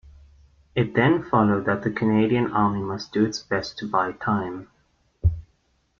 It then followed that the Canadian Army must do its best to buy time.